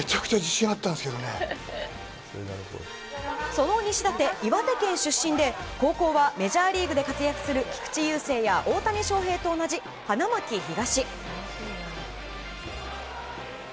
その西舘、岩手県出身で高校はメジャーリーグで活躍する菊池雄星や大谷翔平と同じ花巻東。